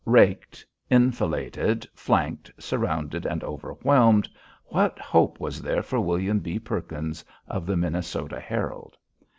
Raked, enfiladed, flanked, surrounded, and overwhelmed, what hope was there for William B. Perkins of the "Minnesota Herald?"